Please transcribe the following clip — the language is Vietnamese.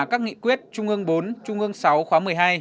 các nghị quyết trung ương bốn trung ương sáu khóa một mươi hai